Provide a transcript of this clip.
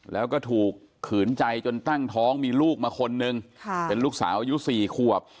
แล้วก็ถูกขืนใจจนตั้งท้องมีลูกมาคนนึงเป็นลูกสาวอายุ๔ขวบ